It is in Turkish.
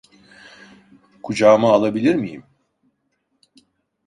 Kucağıma alabilir miyim?